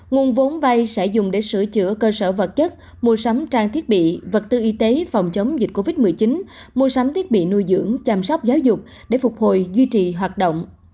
nguồn vốn vay sẽ dùng để sửa chữa cơ sở vật chất mua sắm trang thiết bị vật tư y tế phòng chống dịch covid một mươi chín mua sắm thiết bị nuôi dưỡng chăm sóc giáo dục để phục hồi duy trì hoạt động